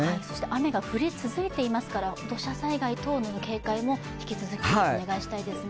雨が降り続いていますから土砂災害等への警戒も引き続きお願いしたいですね。